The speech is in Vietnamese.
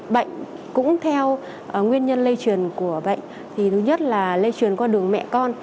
bệnh cũng theo nguyên nhân lây truyền của bệnh thì thứ nhất là lây truyền qua đường mẹ con